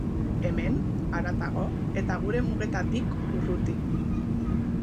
Hemen, haratago eta gure mugetatik urruti.